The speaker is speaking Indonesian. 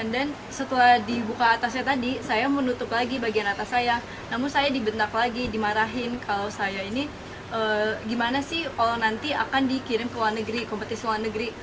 dan setelah dibuka atasnya tadi saya menutup lagi bagian atas saya namun saya dibentak lagi dimarahin kalau saya ini gimana sih kalau nanti akan dikirim ke luar negeri kompetisi luar negeri